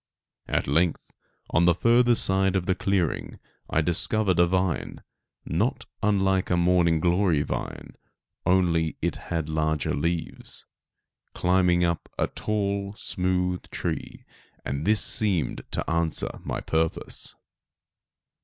At length, on the further side of the clearing, I discovered a vine, not unlike a morning glory vine, only it had larger leaves, climbing up a tall, smooth tree, and this seemed to answer my purpose.